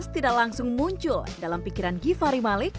tidak langsung muncul dalam pikiran giva rimalik